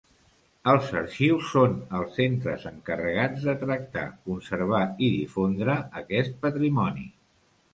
Els arxius són els centres encarregats de tractar, conservar i difondre aquest patrimoni.